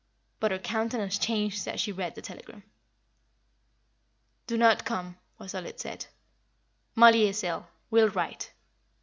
But her countenance changed as she read the telegram. "Do not come," was all it said. "Mollie is ill will write."